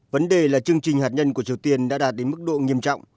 vấn đề là chương trình hạt nhân của triều tiên đã đạt đến mức độ nghiêm trọng